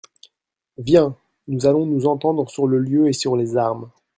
Viens, nous allons nous entendre sur le lieu et sur les armes.